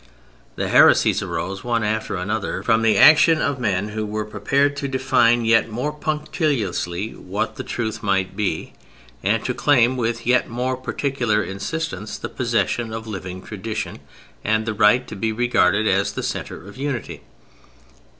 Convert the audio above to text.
The heresies arose one after another, from the action of men who were prepared to define yet more punctiliously what the truth might be, and to claim with yet more particular insistence the possession of living tradition and the right to be regarded as the centre of unity.